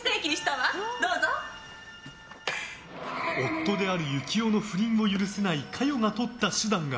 夫である由岐雄の不倫を許せない香世がとった手段が。